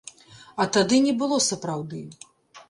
А тады не было сапраўды.